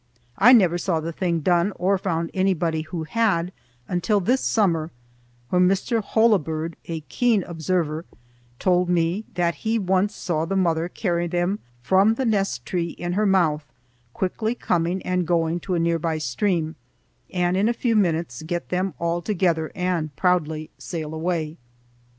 I never saw the thing done or found anybody who had until this summer, when Mr. Holabird, a keen observer, told me that he once saw the mother carry them from the nest tree in her mouth, quickly coming and going to a nearby stream, and in a few minutes get them all together and proudly sail away.